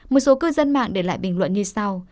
một số cư dân mạng để lại bình luận như sau